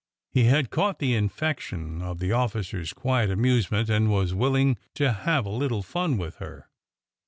He had caught the infection of the officer's quiet amuse ment and was willing to have a little fun with her.